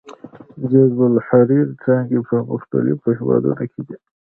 د حزب التحریر څانګې په مختلفو هېوادونو کې دي.